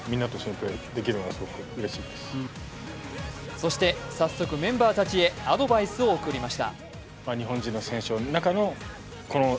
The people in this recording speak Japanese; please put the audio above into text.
そして、早速メンバーたちへアドバイスを送りました。